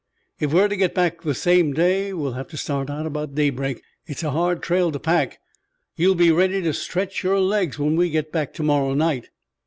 "If we are to get back the same day we'll have to start about daybreak. It's a hard trail to pack. You'll be ready to stretch your legs when we get back to morrow night."